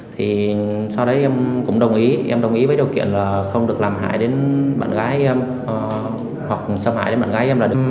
thì sau đấy em cũng đồng ý em đồng ý với điều kiện là không được làm hại đến bạn gái hoặc xâm hại đến bạn gái em là đâm